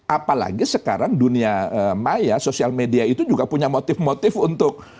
apalagi sekarang dunia maya sosial media itu juga punya motif motif untuk